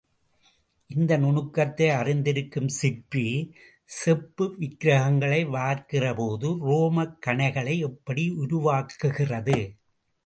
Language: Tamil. இந்த நுணுக்கத்தை அறிந்திருக்கும் சிற்பி, செப்பு விக்கிரகங்களை வார்க்கிறபோது ரோமக் கணைகளை எப்படி உருவாக்குகிறது?